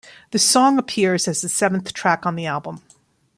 The song appears as the seventh track on the album.